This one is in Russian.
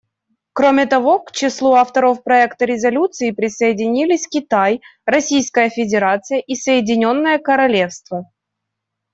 Кроме того, к числу авторов проекта резолюции присоединились Китай, Российская Федерация и Соединенное Королевство.